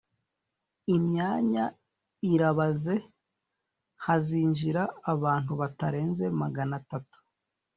imyanya irabaze hazinjira abantu batarenze magana atatu